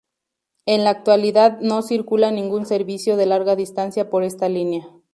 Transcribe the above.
En la actualidad no circula ningún servicio de Larga Distancia por esta línea.